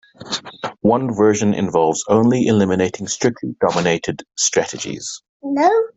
One version involves only eliminating strictly dominated strategies.